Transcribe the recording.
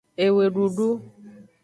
Ewedudu.